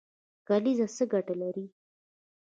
کلیزه څه ګټه لري؟